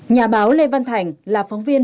nhà báo lê văn thành là phóng viên